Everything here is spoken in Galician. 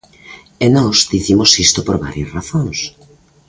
E nós dicimos isto por varias razóns.